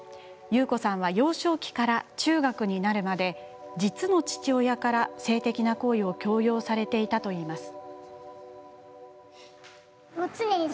ユウコさんは幼少期から中学になるまで実の父親から、性的な行為を強要されていたといいます。